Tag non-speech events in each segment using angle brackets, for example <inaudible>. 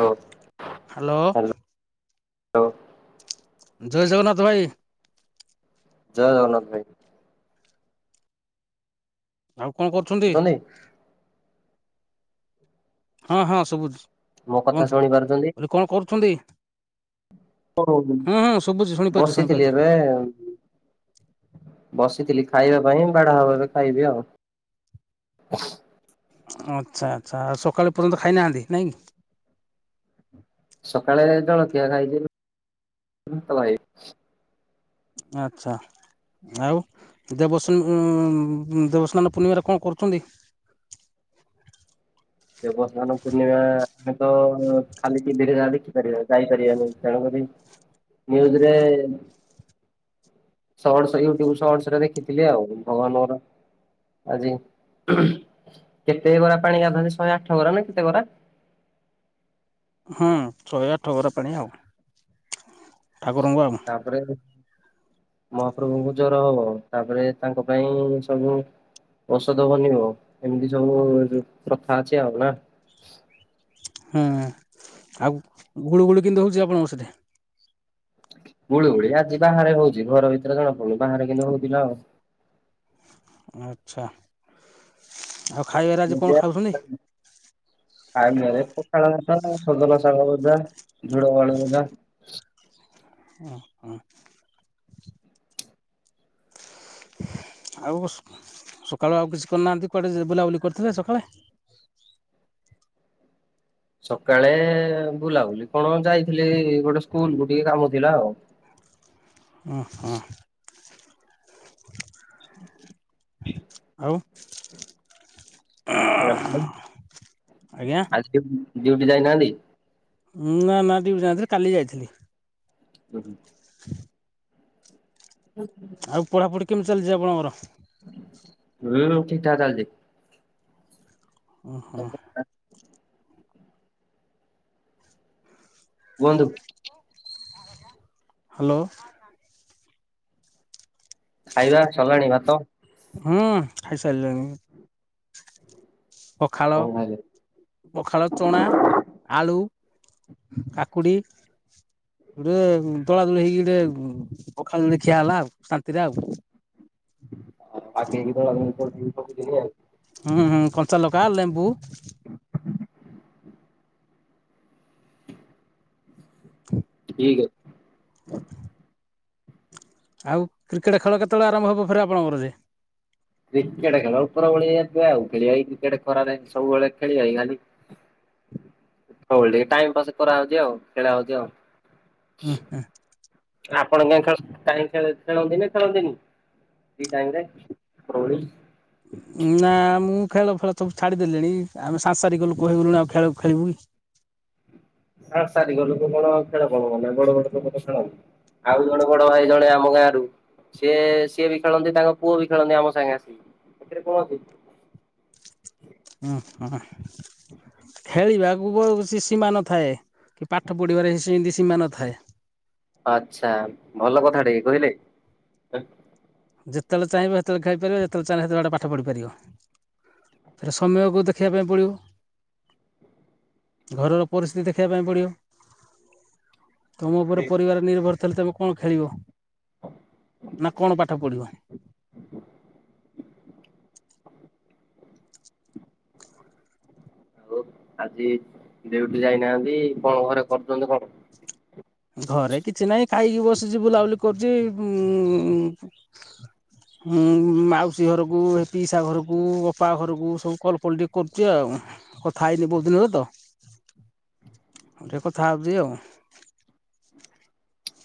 ହଉ ହ୍ୟାଲୋ। <unintelligible> ଜୟ ଜଗନ୍ନାଥ ଭାଇ। ଜୟ ଜଗନ୍ନାଥ ଭାଇ। ଆଉ କଣ କରୁଛନ୍ତି? ଶୁଛନ୍ତି ହଁ ହଁ ସବୁଛି ମୋ କଥା କୁହନ୍ତୁ ଶୁଣି କହିଲି କଣ କରୁଛନ୍ତି? ହ ହୁଁ ହୁଁ ଶୁଭୁଛି ଶୁଣିପାରୁଛି ବସିଥିଲି ଶୁଣିପାରୁଛି ଏବେ ବସିଥିଲି ଖାଇବା ପାଇଁ ବାଢା ହବ ଏ ଖାଇବି ଆଉ। ଆଚ୍ଛା ଆଚ୍ଛା ସକାଳେ ଏପର୍ଯ୍ୟନ୍ତ ଖାଇନାହାନ୍ତି ନାଇଁକି? ସକାଳେ ଜଳଖିଆ ଖାଇଛି ଭୋକ ଆଚ୍ଛା। ଆଉ ଦେବ ସନ ଦେବସ୍ନାନ ପୂର୍ଣ୍ଣିମାରେ କଣ କରୁଛନ୍ତି? ଦେବସ୍ନାନ ପୂର୍ଣ୍ଣିମା ଆମେ ତ ଖାଲି ଟିଭିରେ ଯାହା ଦେଖିପାରିବା ଯାଇପାରିବାନି ତେଣୁକ ନ୍ୟୁଜରେ ସଟ ୟୁଟ୍ୟୁବ ସଟସ ରେ ଦେଖିଥିଲି ଆଉ ଭଗବାନଙ୍କର ଆଜି କେତେ ଗରା ପାଣିରେ ଗାଧାନ୍ତି? ଶହେ ଆଠ ଗରା ନା କେତେ ଗରା? ହୁଁ ଶହେ ଆଠ ଘର ପାଣି ଆଉ। ଠାକୁରଙ୍କର ତାପରେ ମହାପ୍ରଭୁଙ୍କୁ ଜ୍ୱର ହବ ତାପରେ ତାଙ୍କ ପାଇଁ ସବୁ ଔଷଧ ବନିବ ଏମିତି ସବୁ ପ୍ରଥା ଅଛି ଆଉ ନା? ହଁ ଆଉ ଗୁଳୁଗୁଳୁ କେନ୍ତତି ହଉଚି ଆପଣଙ୍କ ସେଠି? ଗୁଳୁଗୁଳି ଆଜି ବାହାରେ ହଉଚି ଘର ଭିତରେ ଜଣା ପଡୁନି ବାହାରେ କିନ୍ତୁ ହଉଥିଲା ଆଉ ଆଚ୍ଛା। ଆଉ ଖାଇବାରେ ଆଜି ମୁଁ କଣ ଖାଉଛନ୍ତି <unintelligible> ଆଏନାରେ ପଖାଳ ଆଁ ଆଁ ସଜନା ଶାଗ ଭଜା, ଝୁଡଙ୍ଗ ଆଳୁ ଭଜା। ଓହୋ। ଆଉ ସକାଳୁ ଆଉ କିଛି କରିନାହାନ୍ତି କୁଆଡେ ବୁଲାବୁଲି କରିଥିଲେ ସକାଳେ? ସକାଳେ ବୁଲାବୁଲି କଣ ଯାଇଥିଲି ଗୋଟେ ସ୍କୁଲ କୁ ଟିକେ କାମ ଥିଲା ଆଉ। ଉଁ ହୁଁ ଆଉ ଆଜି ଡ଼ିଉ ଆଜ୍ଞା <unintelligible> ଡିଉଟି ଯାଇନାହାନ୍ତି? ନା ନା ଡିୟୁଟି ଯାଇନଥିଲି କାଲି ଯାଇଥିଲି। ହୁଁ। ଆଉ ପଢ଼ାପଢ଼ି କେମତି ଚାଲିଚି ଆପଣଙ୍କର? <unintelligible> ଠିକ୍ ଠାକ୍ ଚାଲିଚି। ହୁଁ ହୁଁ। କୁହନ୍ତୁ? ହାଲୋ। ଖାଇବା ସରିଲାଣି ଭାତ? ହୁଁ ଖାଇସାରିଲିଣି। ପଖାଳ କଣ ଖାଇଲେ? ପଖାଳ ଚଣା, ଆଳୁ। କାକୁଡ଼ି। ଗୋଟେ ଦୋଳା ଦୋଳି ହେଇକି ଗୋଟେ ପଖାଳ ଟେ ଖିଆ ହେଲା ଆଉ ଶାନ୍ତିରେ ଆଉ। <unintelligible> ଦେଇଦବ ଆଉ। ହୁଁ ହୁଁ କଞ୍ଚାଲକା, ଲେମ୍ବୁ। ଠିକ୍ ଅ ଆଉ କ୍ରିକେଟ ଖେଳ କେତେବେଳେ ଆରମ୍ଭ ହବ ଫେରେ ଆପଣଙ୍କର ଯେ? କ୍ରିକେଟ ଖେଳ ଉପର ଓଳିରିଏ କିଏ ଆଉ ଖେଳିବ ଏଇ କ୍ରିକେଟ ଖରାରେ ସବୁବେଳେ ଖେଳିବା କି ଖାଲି। ସବୁବେଳେ ଟିକେ ଟାଇମ ପାସ କରାହଉଚି ଆଉ ଖେଳା ହଉଚି ଆଉ। ହ ହ। ଆପଣ ନ ଖେଳସ୍ କାଇଁ ଖେଳେ ଖେଳନ୍ତି ନା ଖେଳନ୍ତିନି? କି ଟାଇମରେ ଓପରଓଳି। ନା ମୁଁ ଖେଳ ଫେଳ ସବୁ ଛାଡିଦେଲିଣି। ଆମେ ସାଂସାରିକ ଲୁକ ହେଇଗଲୁଣି ଆଉ ଖେଳ ଖେଳିବୁ କି? ସାଂସାରିକ ଲୋକ କଣ ଖେଳ କଣ ମାନେ ବଡ ବଡ ଲୋକ ତ ଖେଳନ୍ତି ଆଉ ଜଣେ ବଡ ଭାଇ ଜଣେ ଆମ ଆମ ଗାଁରୁ ସିଏ ସିଏ ବି ଖେଳନ୍ତି ତାଙ୍କ ପୁଅ ବି ଖେଳନ୍ତି ଆମ ସାଙ୍ଗେ ଆସିିକି। ଏଥିରେ କଣ ଅଛି? ଉଁ ଉଁହୁ। ଖେଳିବାକୁ ବ କିସି ସୀମା ନଥାଏ। କି ପାଠ ପଢିବାରେ ସିମତି ସୀମା ନଥାଏ। ଆଛା ଭଲ କଥା ଟେ କହିଲେ। ଯେତବେଳେ ଚାହିଁବ ସେତବେଳେ ଖାଇପାରିବ ଯେତବେଳେ ଚାହିଁଲେ ସେତବେଳେ ଗୋଟାଏ ପାଠ ପଢିପାରିବ। ସେଟା ସମୟକୁ ଦେଖେଇବା ପାଇଁ ପଡିବ। ଘରର ପରିସ୍ଥିତି ଦେଖେଇବା ପାଇଁ ପଡିବ। ତମ ଉପରେ ପରିବାର ନିର୍ଭର ଥିଲେ ତମେ କଣ ଖେଳିବ? ନା କଣ ପା ପଢିବ ଆଉ ଆଜି ଡ୍ୟୁଟି ଯାଇନାହାନ୍ତି କଣ ଘରେ କରୁଛନ୍ତି କଣ? ଘରେ କିଛି ନାହିଁ ଖାଇକି ବସିଛି ବୁଲାବୁଲି କରୁଛି ଉଂ ଉଁ ମାଉସୀ ଘରକୁ ହେ ପିସା ଘରକୁ ଅପା ଘରକୁ ସବୁ କଲ୍ ଫଲ ଟିକେ କରୁଛି ଆଉ। କଥା ହେଇନି ବହୁତ ଦିନରେ ତ ତ ଟିକେ କଥା ହେଉଛି ଆଉ।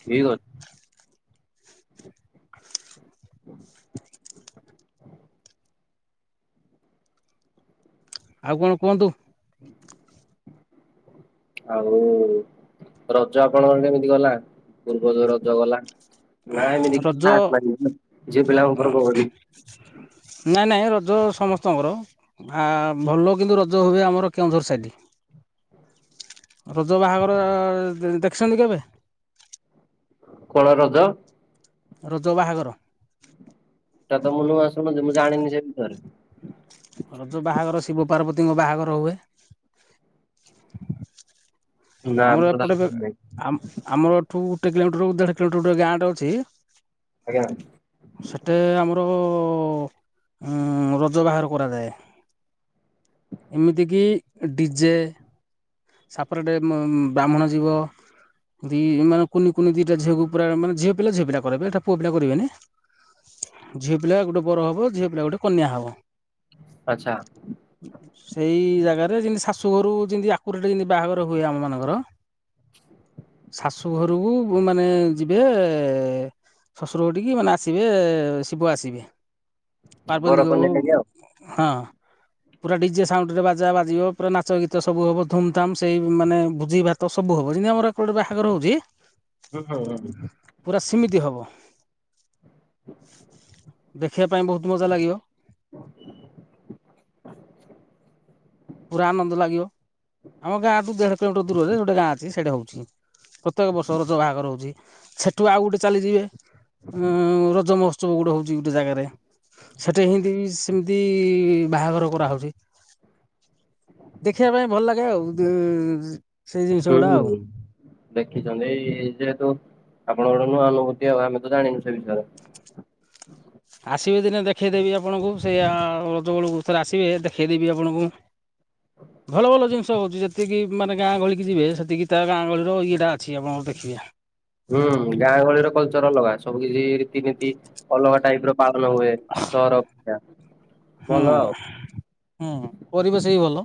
ଠିକ ଅ ଆଉ କଣ କୁହନ୍ତୁ? ଆଉ ରଜ ଆପଣଙ୍କର କେମିତି ଗଲା ପୂର୍ବ ଯୋଉ ରଜ ଗଲା? ନା ଏମିତି ରଜ <unintelligible> ଝିଅ ପିଲାଙ୍କ ଘରକୁ <unintelligible> ନାଇଁ ନାଇଁ ରଜ ସମସ୍ତଙ୍କର, ଭଲ କିନ୍ତୁ ରଜ ହୁଏ ଆମର କେଉଁଝର ସାଇଟ୍। ରଜ ବାହାଘର ଦେଖିଛନ୍ତି କେବେ? କଣ ରଜ? ରଜ ବାହାଘର। ଏଇଟା ମୁଁ ନୂଆ ଶୁଣୁଛି ମୁଁ ଜାଣିନି ସେ ବିଷୟରେ। ରଜ ବାହାଘର ଶିବ ପାର୍ବତୀଙ୍କ ବାହାଘର ହୁଏ। ଆମର ଏପଟେ ଆମର ଏଠୁ ଗୋଟେ କିଲୋମିଟର ଦେଢ କିଲୋମିଟର ଗୋଟେ ଗାଁଟେ ଅଛି ଆଜ୍ଞା ସେଠେ ଆମର ଉ ରଜ ବାହାର କରାଯାଏ। ଏମିତି କିି ଡିଜେ ସାପରେଟ୍ ବ୍ରାହ୍ମଣ ଜୀବ। ଦି ମାନେ କୁନି କୁନି ଦିଟା ଝିଅକୁ ପୁରା ମାନେ ଝିଅ ପିଲା ଝିଅ ପିଲା କରିବେ ଏଇଟା ପୁଅ ପିଲା କରିବେନି। ଝିଅ ପିଲା ଗୋଟେ ବର ହବ ଝିଅ ପିଲା ଗୋଟେ କନ୍ୟା ହବ ଆଚ୍ଛା ସେଇ ଜାଗାରେ ଯେମତି ଶାଶୁ ଘରୁ ଯେମିତି କୁକୁରଟେ କିତି ବାହାଘର ହୁଏ ଆମ ମାନଙ୍କର ଶାଶୁ ଘରୁ ଘରକୁ ମାନେ ଯିବେ ଶସୁରଘର ଠିକି ମାନେ ଆସିବେ ଶିବ ଆସିବେ। ପାର୍ବନ୍ତିକ ବର କନ୍ୟା ଲାଗି ଆଉ। ହଁ ପୁରା ଡିଜେ ସାଉଣ୍ଡ ରେ ବାଜା ବାଜିବ ପୁରା ନାଚ ଗୀତ ସବୁ ହବ। ଧୁମ୍ ଧାମ୍ ସେଇ ମାନେ ଭୋଜି ଭାତ ସବୁ ହବ ଯେମିତି ଆମର ଗୋଟେ ବାହାଘର ହଉଛି ହୁଁ ହଁ। ପୁରା <inaudible> ଦେଖିବା ପାଇଁ ବହୁତ ମଜା ଲାଗିବ। <inaudible> ପୁରା ଆନନ୍ଦ ଲାଗିବ ଆମ ଗାଁଠୁ ଦେଢ କିଲୋମିଟର ଦୂରରେ ଗୋଟେ ଗାଁ ଅଛି ସେଇଟା ହଉ ପ୍ରତ୍ୟେକ ବର୍ଷ ରଜ ବାହାଘର ହୋଉଛି। ସେଠୁ ଆଉ ଗୋଟେ ଚାଲିଯିବେ ହଁ, ରଜ ମହୋତ୍ସବ ଗୋଟେ ହଉଛି ଗୋଟେ ଜାଗାରେ। ସେଠି ହି ସେମିତି ବାହାଘର କରାହଉଛି। ଦେଖିବା ପାଇଁ ଭଲ ଲାଗେ ଆଉ ସେଇ ଜିନିଷ ହୁଁ। ଗୁଡା ଆଉ ଦେଖିଛନ୍ତି ଯେହେତୁ ଆପଣଙ୍କର ନୂଆ ଅନୁଭୂତି ଆଉ ଆମେ ତ ଜାଣିନୁ ସେ ବିଷୟରେ। ଆସିବେ ଦିନେ ଦେଖେଇଦେବି ଆପଣଙ୍କୁ ସେ ଆ ରଜ ବେଳକୁ ଥରେ ଆସିବେ ଦେଖେଇଦେବି ଆପଣଙ୍କୁ। ଭଲ ଭଲ ଜିନିଷ ହଉଛି ଯେତିକି ମାନେ ଗାଁ ଗହଳି କି ଯିବେ ସେତିକି ତା ଗାଁ ଗହଳି ଇଏଟା ଅଛି ଆପଣଙ୍କର ଦେଖିବେ ହୁଁ। ଗାଁ ଗହଳିର କଲଚର ଅଲଗା ସବୁ କିଛି ରୀତିନୀତି ଅଲଗା ଟାଇପ୍ ର ପାଳନ ହୁଏ ସହର ଅପେକ୍ଷା ହୁଁ ଭଲ ଆଉ। ହୁଁ। ପରିବେଶ ବି ଭଲ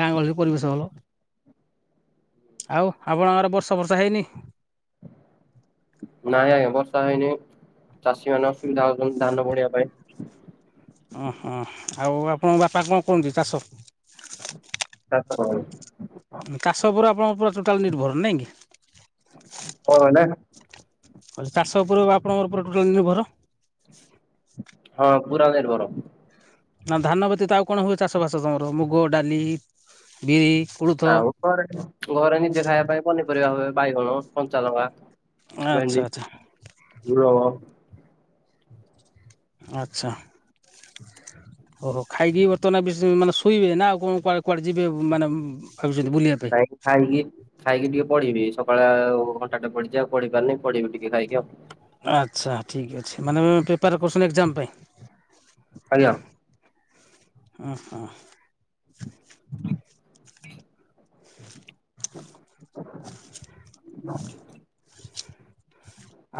ଗାଁ ଗହଳିରେ ପରିବେଶ ଭଲ। ଆଉ ଆପଣଙ୍କର ବର୍ଷା ବର୍ଷା ହେଇନି? ନାଇଁ ଆଜ୍ଞା ବର୍ଷା ହେଇନି ମ। ଚାଷୀ ମାନେ ଆସିକି ଧାଉଁଚନ୍ତି ଧାନ ବୁଣିବା ପାଇଁ। ଓ ହଁ ଆଉ ଆପଣଙ୍କ ବାପା କଣ କୁହନ୍ତି ଚାଷ। ଚାଷ କରନ୍ତି। ଚାଷ ଉପରେ ଆପଣଙ୍କ ପୁରା ଟୋଟାଲ ନିର୍ଭର ନାଇଁ କି? <unintelligible> ଚାଷ ଉପରେ ଆପଣଙ୍କ ପୁରା ଟୋଟାଲ ନିର୍ଭର? ହଁ ପୁରା ନିର୍ଭର। ଆଉ ଧାନ ବ୍ୟତୀତ ଆଉ କଣ ହୁଏ। ଚାଷ ବାସ ତମର ମୁଗ, ଡାଲି, ବିରି। କୋଳଥ ଆଉ ଘରେ ଘରେ ନିଜେ ଖାଇବା ପାଇଁ ପନିପରିବା ହୁଏ। ବାଇଗଣ, କଞ୍ଚାଲଙ୍କା। ଆଚ୍ଛା ଭେଣ୍ଡି ଆଚ୍ଛା ଝୁଡଙ୍ଗ। ଆଚ୍ଛା। ଓ ହୋ ଖାଇକି ବର୍ତ୍ତମାନ ବେଶି ମାନେ ଶୋଇବେ। ନା ଆଉ କଣ କୁଆଡେ ଯିବେ ମାନେ ଭାବିଛନ୍ତି ବୁଲିବା ପାଇଁ ଖାଇକି ଖାଇକି ଖାଇକି ଟିକେ ପଢିବି। ସ ସକାଳେ ଘଣ୍ଟାଟେ ପଢ଼ିଚି। ଆଉ ପଢି ପାରନି ପଢିବି ଟିକେ ଖାଇକି ଆଉ। ଆଚ୍ଛା ଠିକ୍ ଅଛି। ମାନେ ପ୍ରିପାର୍ କରୁଚନ୍ତି ଏକ୍ଜାମ ପାଇଁ? ଆଜ୍ଞା। ଅଁ ହୋ।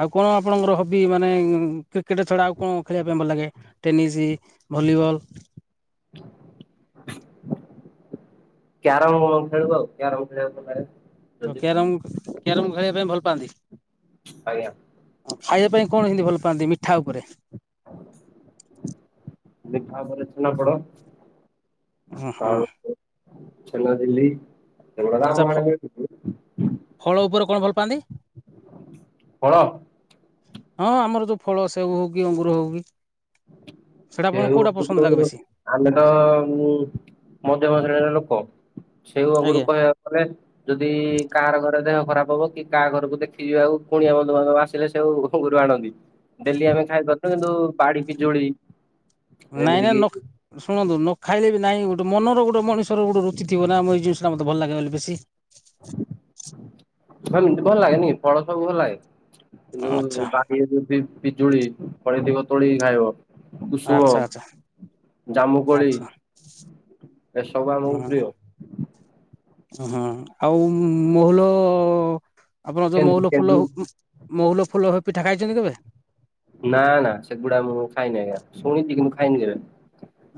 ଆଉ କଣ ଆପଣଙ୍କର ହବି। ମାନେ କ୍ରିକେଟ ଛଡା ଆଉ କଣ ଖେଳିବା ପାଇଁ ଭଲ ଲାଗେ? Tennis volleyball. କ୍ୟାରମ ଭଲ ଖେଳୁ ଆଉ। କ୍ୟାରମ ଖେଳିଆକୁ ଭଲ ଲାଗେ। ଯଦି କ୍ୟାରମ କ୍ୟାରମ ଖେଳିବା ପାଇଁ ଭଲ ପାଆନ୍ତି? ଆଜ୍ଞା ଖାଇବା ପାଇଁ କଣ ହେମିତି ଭଲ ପାଆନ୍ତି ମିଠା ଉପରେ? ମିଠା ଉପରେ ଛେନାପୋଡ଼। ଅଁ ହଁ। ଛେନଝିଲି ଆଚ୍ଛା ଏଗୁଡ଼ାକ ଫ ଆମ <unintelligible> ଫଳ ଉପରେ କଣ ଭଲ ପାଆନ୍ତି ଫଳ? ହଁ ଆମର ଯୋଉ ଫଳ। ସେଉ ହଉ କି ଅଙ୍ଗୁର ହଉ ବି। ସେଉ ହଉ ଆମେ ତ ଉଁ ମଧ୍ୟମ ଶ୍ରେଣୀର ଲୋକ। ଛେଉ ଆଜ୍ଞା ଅଙ୍ଗରୁ କହିବାକୁ ଗଲେ ଯଦି କାହାର ଘରେ ଦେହ ଖରାପ ହବ କି କାହା ଘରକୁ ଦେଖି ଯିବାକୁ କୁଣିଆ ବନ୍ଧୁବାନ୍ଧବ ଆସିଲେ ସେଉ ଅଙ୍ଗୁରୁ ଆଣନ୍ତି। ଡେଲି ଆମେ ଖାଇପାରୁଥିଲୁ କିନ୍ତୁ ବାଡି ପିଜୁଳି ନାଇଁ ଯେମିତି ନାଇଁ କିି ନ ଖ ଶୁଣନ୍ତୁ ନ ଖାଇଲେ ବି ନାଇଁ ଗୋଟ ମନର ଗୋଟେ ମଣିଷର ଗୋଟ ରୁଚି ଥିବ ନା ଆମର ଏଇ ଜିନିଷଟା ମତେ ଭଲ ଲାଗେ ବୋଲି ବେଶି। ହମିତି ଭଲ ଲାଗେନି ଫଳ ସବୁ ଭଲ ଲାଗେ। କିନ୍ତୁ ଆଚ୍ଛା ବାଡୀରେ ଯଦି ପିଜୁଳି ଫଳି ଥିବ ତୋଳିକି ଖାଇବ। କୁସୁମ ଆଚ୍ଛା ଆଚ୍ଛା ଜାମୁକୋଳି। ଆଚ୍ଛା ଏସବୁ ଆମକୁ ହଁ ପ୍ରିୟ। ହଁ ଆଉ ମହୁଲ ଆପଣ ଯେଉଁ କେନ୍ଦୁ ମହୁଲ ଫୁଲ କେନ୍ଦୁ ମହୁଲ ଫୁଲ ପିଠା ଖାଇଛନ୍ତି କେବେ? ନା ନା ସେଗୁଡା ମୁଁ ଖାଇନି ଆଜ୍ଞା ଶୁଣିଚି କିନ୍ତୁ ମୁଁ ଖାଇନି କେବେ?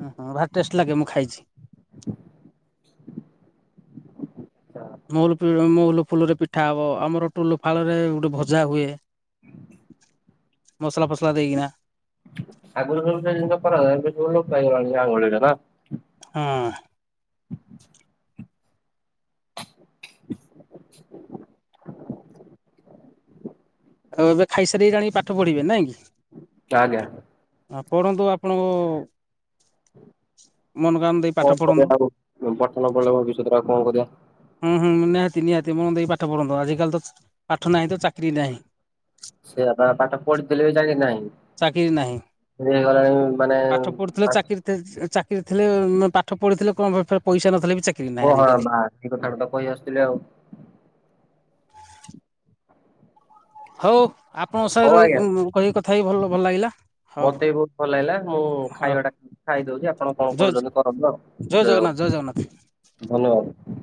ଉଁ ହୁଁ ଭାରି ଟେଷ୍ଟ ଲାଗେ ମୁଁ ଖାଇଛି। ମହୁଲ ପୁଲ ମହୁଲ ଫୁଲରେ ପିଠା ହବ। ଆମର ଟୋଲ ଫାଳ ରେ ଗୋଟେ ଭଜା ହୁଏ। <unintelligible> ମସଲା ଫସଲା ଦେଇକିନା ଆଗରୁ <unintelligible> ଆଙ୍ଗୁଳିରେ ନା। ହଁ। ଅଛି। <unintelligible> ଆଉ ଏବେ ଖାଇସାରିକି ଜାଣିକି ପାଠ ପଢିବେ ନାଇଁ କି? କାଜ୍ଞା। ଆ ପଢ଼ନ୍ତୁ ଆପଣଙ୍କୁ ଦେଇ ପାଠ କଣ ପଢନ୍ତୁ। କରିବା ଆଉ ପଠନ ବେଳେ ଭବିଷ୍ୟତଟା ଆଉ କଣ କରିବା। ହୁଁ ହୁଁ ନିହାତି ନିହାତି ମନ ଦେଇ ପାଠ ପଢନ୍ତୁ। ଆଜିିକାଲି ତ ପାଠ ନାହିଁ ତ ଚାକିରି ନାହିଁ। ସେଇଆ ପା ପାଠ ପଢିଥିଲେ ବି ଚାକିରୀ ନାହିଁ। ହେଇ ଗଲାଣି ମାନେ ପାଠ ପଢ଼ୁଥିଲେ ପା ଚାକିରି ଚାକିରି ଥିଲେ ପାଠ ପଢ଼ିଥିଲେ କଣ ପଇସା ନଥିଲେ ବି ଚାକିରି ନାହିଁ ଆଜିକାଲି। ସେ କଥାଟା ତ କହି ଆସୁଥିଲେ ଆଉ। । ହଉ ଆପଣଙ୍କ ସହ ହଉ ରହି ଆଜ୍ଞା। କି କଥା ହଇି କି ଭଲ ଭଲ ଲାଗିଲା ହଉ ହଉ। ଖାଇଦଉଚି ଆପଣ କଣ ଜୟ କରୁଛନ୍ତି କରନ୍ତୁ ଆଉ। ଜୟ ଜଗନ୍ନାଥ ଜୟ ଜଗନ୍ନାଥ। ଧନ୍ୟବାଦ।